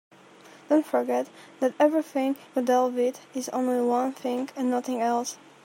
Don't forget that everything you deal with is only one thing and nothing else.